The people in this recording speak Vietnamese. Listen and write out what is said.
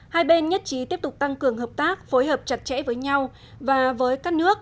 hai bên nhất trí tiếp tục tăng cường hợp tác phối hợp chặt chẽ với nhau và với các nước